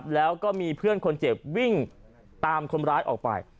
แล้วก็มีเพื่อนคนเจ็บวิ่งตามคนร้ายออกไป